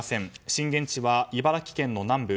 震源地は茨城県の南部。